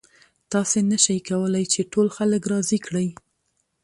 تاسې نشئ کولی چې ټول خلک راضي کړئ.